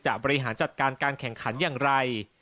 บริหารจัดการการแข่งขันอย่างไร